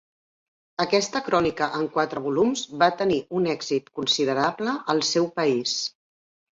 Aquesta crònica en quatre volums va tenir un èxit considerable al seu país.